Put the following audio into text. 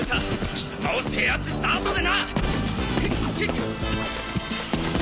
貴様を制圧した後でな！